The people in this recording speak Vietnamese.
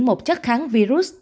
một chất kháng virus